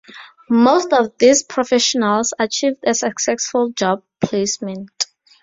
Most of these professionals achieved a successful job placement.